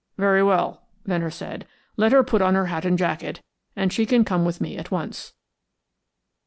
"Very well," Venner said. "Let her put on her hat and jacket, and she can come with me at once."